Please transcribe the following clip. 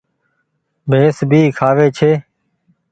ڀيس ڀي کآوي ڇي۔